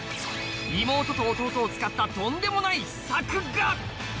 妹と弟を使ったとんでもない秘策が！